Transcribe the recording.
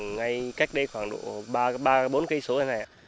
ngay cách đây khoảng độ ba bốn km thôi này ạ